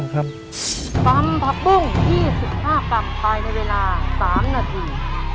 ตำผักบุ้ง๒๕กรัมภายในเวลา๓นาที